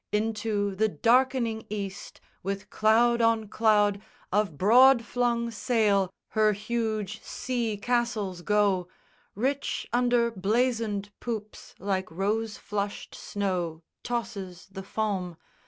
Into the darkening East with cloud on cloud Of broad flung sail her huge sea castles go: Rich under blazoned poops like rose flushed snow Tosses the foam.